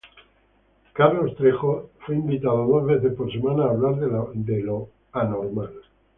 Carlos Trejo fue invitado dos veces por semana a hablar de lo paranormal.